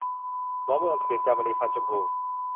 หมอเมืองเถื่อน - จามรี พรรณชมพู